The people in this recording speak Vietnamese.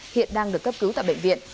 hiện đang được cấp cứu tại bệnh viện